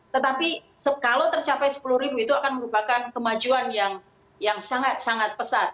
tetapi kalau tercapai sepuluh itu akan merupakan kemajuan yang sangat sangat pesat